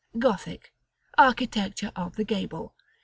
GOTHIC: Architecture of the Gable.